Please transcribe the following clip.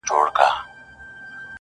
o بزم دی پردی پردۍ نغمې پردۍ سندري دي,